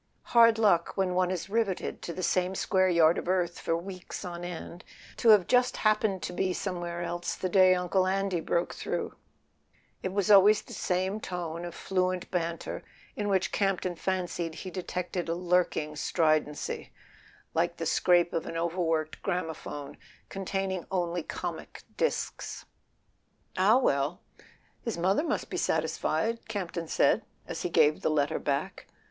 "Hard luck, when one is riveted to the same square yard of earth for weeks on end, to have just happened to be somewhere else the day Uncle Andy broke through." It was always the same tone of fluent banter, in which Campton fancied he detected a lurking stridency, like the scrape [ 248 ] A SON AT THE FRONT of an overworked gramophone containing only comic disks. "Ah, well—his mother must be satisfied,'' Camp ton said as he gave the letter back.